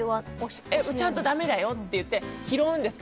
ちゃんとだめって言って。